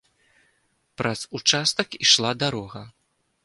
Праз участак ішла дарога.